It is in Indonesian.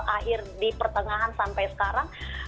akhir di pertengahan sampai sekarang